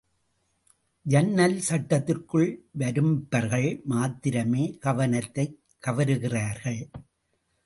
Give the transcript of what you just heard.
ஜன்னல் சட்டத்திற்குள் வரும்பர்கள் மாத்திரமே கவனத்தைக் கவருகிறார்கள்.